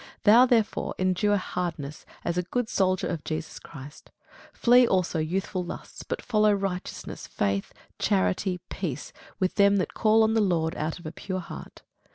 Thou therefore endure hardness, as a good soldier of Jesus Christ. Flee also youthful lusts: but follow righteousness, faith, charity, peace, with them that call on the Lord out of a pure heart.